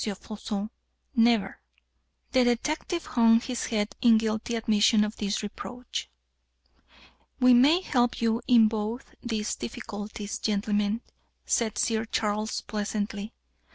Floçon, never." The detective hung his head in guilty admission of this reproach. "We may help you in both these difficulties, gentlemen," said Sir Charles, pleasantly.